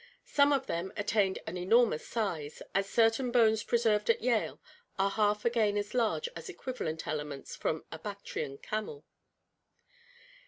Some of them attained an enormous size, as certain bones preserved at Yale are half again as large as equivalent ele ments from a Bactrian camel.